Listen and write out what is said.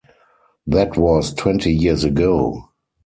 That was twenty years ago.